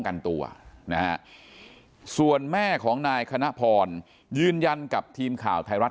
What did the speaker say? กันตัวนะฮะส่วนแม่ของนายคณะพรยืนยันกับทีมข่าวไทยรัฐ